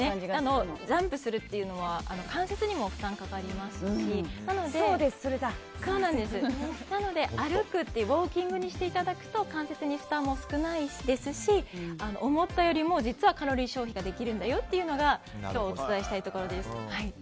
ジャンプするというのは関節にも負担がかかりますしなので歩くというウォーキングにしていただくと関節に負担も少ないですし思ったよりも実はカロリー消費ができるんだよというのが今日、お伝えしたいところです。